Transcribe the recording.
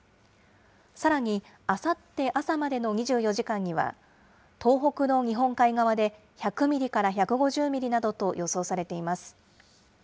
さらに、あさって朝までの２４時間には、東北の日本海側で１００ミリから１５０ミリなどと予想されています。